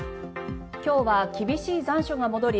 今日は厳しい残暑が戻り